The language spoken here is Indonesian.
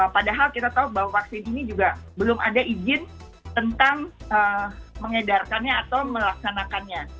padahal kita tahu bahwa vaksin ini juga belum ada izin tentang mengedarkannya atau melaksanakannya